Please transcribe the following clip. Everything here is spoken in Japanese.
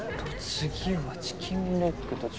次はチキンレッグと。